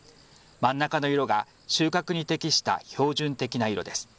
真ん中の色が収穫に適した標準的な色です。